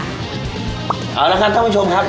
เอาละครับท่านผู้ชมครับ